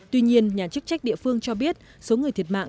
tuy nhiên nhà chức trách địa phương cho biết số người thiệt mạng